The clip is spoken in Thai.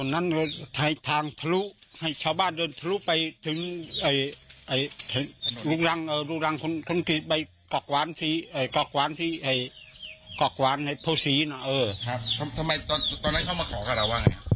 ประจำครับทำไมตอนตอนนี้เข้ามาขอกัดหมายว่าไง